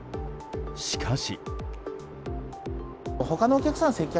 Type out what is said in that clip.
しかし。